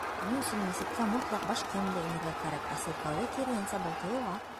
Ни өсөн мәсеткә мотлаҡ баш кейемендә инергә кәрәк, ә сиркәүҙә, киреһенсә, был тыйыла?